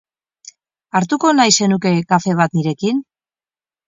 Hartuko nahi zenuke kafe bat nirekin?